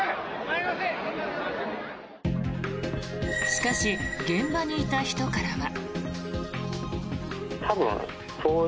しかし現場にいた人からは。